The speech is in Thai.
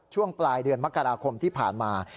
ช่วงปลายเดือนมกราคมที่ผ่านมา